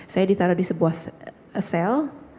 saya ditaruh di sebuah sel